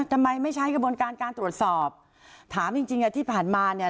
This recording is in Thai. ทำไมไม่ใช้กระบวนการการตรวจสอบถามจริงจริงอ่ะที่ผ่านมาเนี่ย